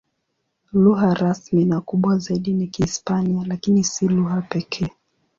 Lugha rasmi na kubwa zaidi ni Kihispania, lakini si lugha pekee.